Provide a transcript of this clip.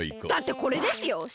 だってこれですよ！